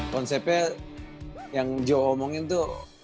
konsepnya yang joshua omongin itu